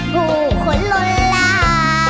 ผู้ขนลงรา